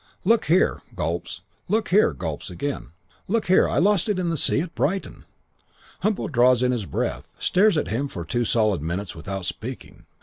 "'Look here ' Gulps. 'Look here ' Gulps again. 'Look here. I lost it in the sea at Brighton.' "Humpo draws in his breath. Stares at him for two solid minutes without speaking.